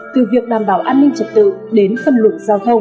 từ việc đảm bảo an ninh trật tự đến phân luận giao thông